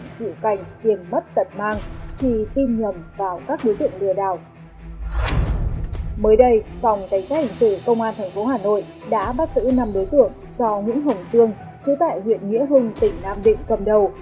đã bắt giữ năm đối tượng do nguyễn hồng dương chứa tại huyện nghĩa hưng tỉnh nam định cầm đầu